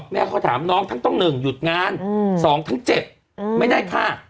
แม่เขาถามน้องทั้งต้อง๑หยุดงาน๒ทั้งเจ็บไม่ได้ค่ะ